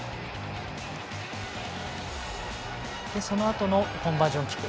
そのあとのコンバージョンキック。